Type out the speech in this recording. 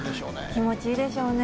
気持ちいいでしょうね。